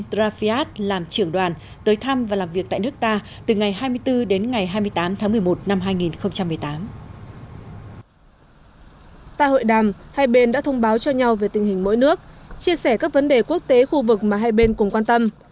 tại hội đàm hai bên đã thông báo cho nhau về tình hình mỗi nước chia sẻ các vấn đề quốc tế khu vực mà hai bên cùng quan tâm